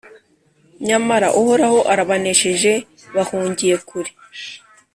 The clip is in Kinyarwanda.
Nyamara Uhoraho arabanesheje, bahungiye kure,